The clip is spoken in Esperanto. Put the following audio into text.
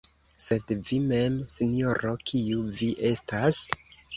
Sed vi mem, sinjoro, kiu vi estas?